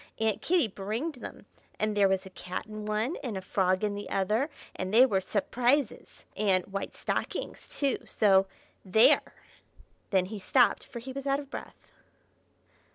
Aunt Kitty bringed them, and there was a cat in one, and a frog in the other, and they were s'prises. And white stockings too, so there!" Then he stopped, for he was out of breath.